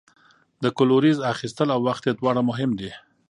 د کلوریز اخیستل او وخت یې دواړه مهم دي.